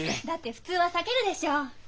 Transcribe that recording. だって普通は避けるでしょう。